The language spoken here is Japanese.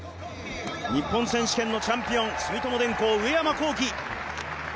日本選手権のチャンピオン、住友電工、上山紘輝。